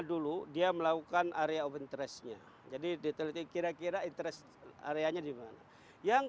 sama dulu dia melakukan area of interest nya jadi detail kira kira interest area nya dimana yang